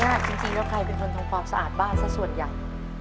บ้านหลังนี้จริงก็ใครเป็นคนทำความสะอาดบ้านสักส่วนอย่าง